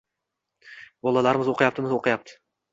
bolalarimiz o‘qiyaptimi – o‘qiyapti.